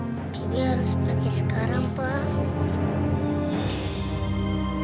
baby harus pergi sekarang pak